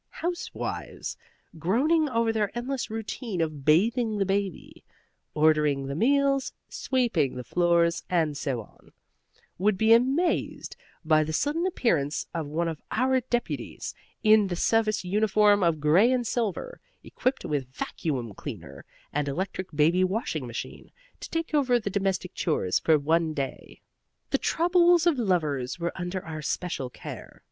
Housewives, groaning over their endless routine of bathing the baby, ordering the meals, sweeping the floors and so on, would be amazed by the sudden appearance of one of our deputies, in the service uniform of gray and silver, equipped with vacuum cleaner and electric baby washing machine, to take over the domestic chores for one day. The troubles of lovers were under our special care.